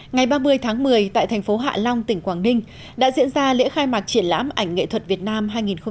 ngày ba mươi tháng một mươi tại thành phố hạ long tỉnh quảng ninh đã diễn ra lễ khai mạc triển lãm ảnh nghệ thuật việt nam hai nghìn một mươi chín